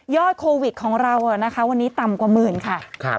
โควิดของเรานะคะวันนี้ต่ำกว่าหมื่นค่ะ